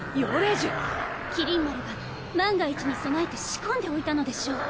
麒麟丸が万が一に備えて仕込んでおいたのでしょう。